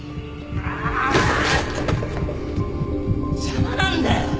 邪魔なんだよ！